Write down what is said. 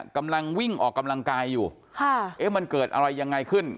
กำลังวิ่งออกกำลังกายอยู่ค่ะเอ๊ะมันเกิดอะไรยังไงขึ้น